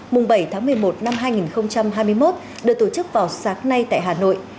mùng bảy tháng một mươi một năm hai nghìn hai mươi một được tổ chức vào sáng nay tại hà nội